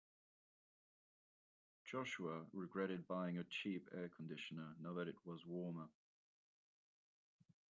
Joshua regretted buying a cheap air conditioner now that it was warmer.